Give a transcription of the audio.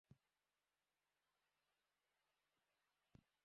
দুর্নীতি প্রতিরোধে মন্দকে পেছনে ফেলে ভালোকে কাছে টানার অনুভূতি সৃষ্টি করতে হবে।